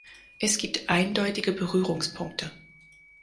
Es gibt eindeutige Berührungspunkte.